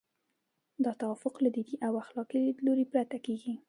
دا توافق له دیني او اخلاقي لیدلوري پرته کیږي.